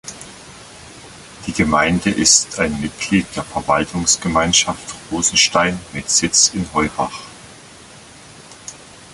Die Gemeinde ist ein Mitglied der Verwaltungsgemeinschaft Rosenstein mit Sitz in Heubach.